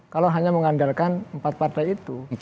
kalau hanya mengandalkan empat partai itu